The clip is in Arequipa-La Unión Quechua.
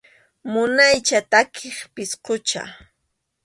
Munaycha takiq pisqucha.